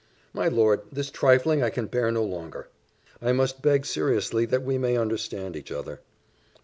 "My lord, this trifling I can bear no longer; I must beg seriously that we may understand each other."